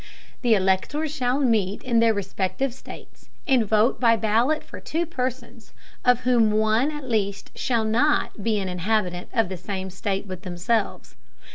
The Electors shall meet in their respective States, and vote by Ballot for two Persons, of whom one at least shall not be an Inhabitant of the same State with themselves.